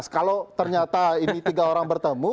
kalau ternyata ini tiga orang bertemu